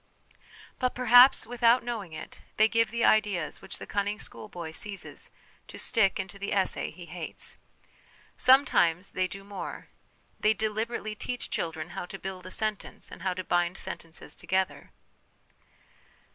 But, perhaps without knowing it, they give the ideas which the cunning schoolboy seizes to ' stick ' into the ' essay ' he hates. Sometimes they do more. They deliberately teach children how to 'build a sentence ' and how to ' bind sentences ' together.